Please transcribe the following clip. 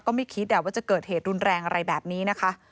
ไม่คิดว่าจะเกิดเหตุรุนแรงอะไรแบบนี้นะคะ